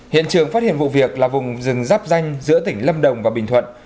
hiện trường phát hiện vụ việc là vùng rừng rắp danh giữa tỉnh lâm đồng và bình thuận